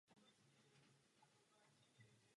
V listině je poprvé uveden kostel a tržiště dříve než fara.